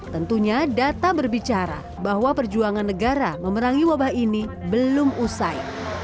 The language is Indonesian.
tentunya data berbicara bahwa perjuangan negara memerangi wabah ini belum usai